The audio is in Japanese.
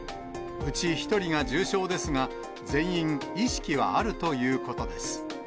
うち１人が重症ですが、全員、意識はあるということです。